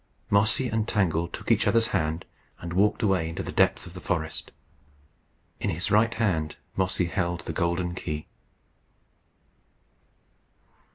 Mossy and Tangle took each other's hand and walked away into the depth of the forest. In his right hand Mossy held the golden key.